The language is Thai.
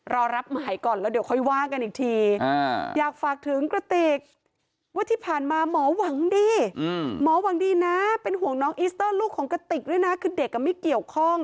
รอรับหมายก่อนแล้วเดี๋ยวค่อยว่ากันอีกที